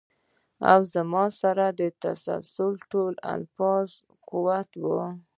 او زما سره د تسلۍ ټول لفظونه قات وو ـ